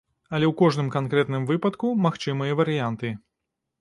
Але ў кожным канкрэтным выпадку магчымыя варыянты.